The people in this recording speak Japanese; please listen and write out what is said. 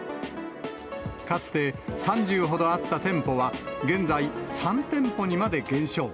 かつて、３０ほどあった店舗は現在３店舗にまで減少。